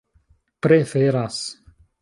preferas